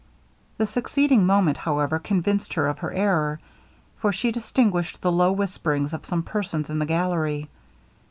The succeeding moment, however, convinced her of her error, for she distinguished the low whisperings of some persons in the gallery.